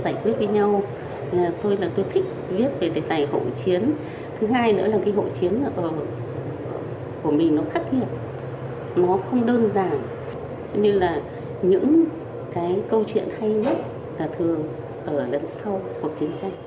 như là những cái câu chuyện hay nhất là thường ở lần sau cuộc chiến tranh